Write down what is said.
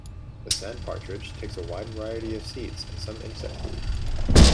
The sand partridge takes a wide variety of seeds and some insect food.